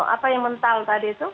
apa yang mental tadi itu